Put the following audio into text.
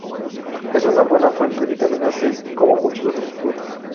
Es una buena fuente de vitamina C, como muchos otros frutos.